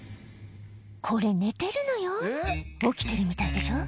「これ寝てるのよ起きてるみたいでしょ？」